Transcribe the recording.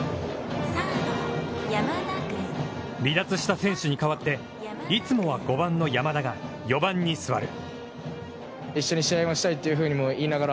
離脱した選手に代わって、いつもは５番の山田が、４番に座る。